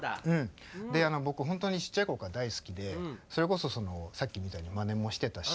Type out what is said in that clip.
僕本当にちっちゃい頃から大好きでそれこそさっきみたいにまねもしてたし。